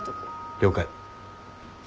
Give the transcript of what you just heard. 了解。